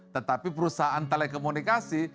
tetapi perusahaan telekomunikasi